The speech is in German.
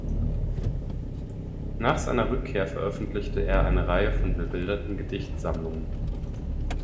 Nach seiner Rückkehr veröffentlichte er eine Reihe von bebilderten Gedichtsammlungen.